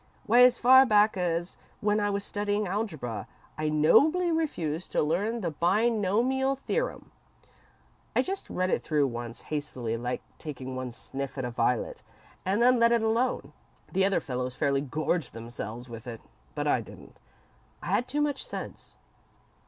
Why, as far back as when I was studying algebra, I nobly refused to learn the binomial theorem. I just read it through once, hastily, like taking one sniff at a violet, and then let it alone. The other fellows fairly gorged themselves with it, but I didn't I had too much sense."